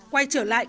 quay trở lại